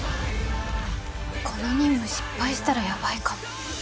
この任務失敗したらヤバいかも。